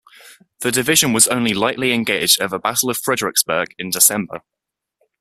The division was only lightly engaged at the Battle of Fredericksburg in December.